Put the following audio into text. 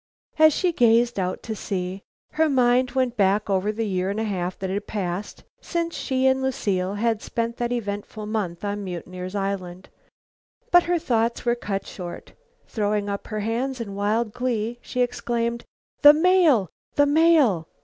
As she gazed out to sea, her mind went back over the year and a half that had passed since she and Lucile had spent that eventful month on Mutineer's Island. But her thoughts were cut short. Throwing up her hands in wild glee, she exclaimed: "The mail! The mail!"